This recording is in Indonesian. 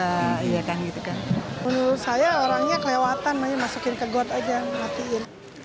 menurut saya orangnya kelewatan masukin ke god aja matiin